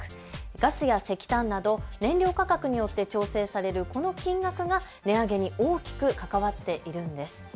ガスや石炭など燃料価格によって調整されるこの金額が値上げに大きく関わっているんです。